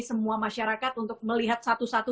semua masyarakat untuk melihat satu satu